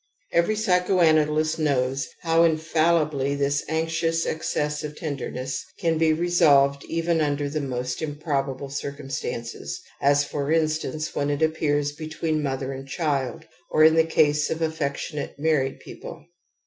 Every p^choanalyst knows how infallibly this anxious excess^ of ten derness can be resolved even under the most im probable circumstances, as for instance, when it appears between mother and child, or in the case of affectionate married people.